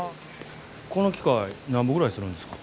この機械なんぼぐらいするんですか？